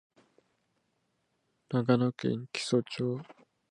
長野県木曽町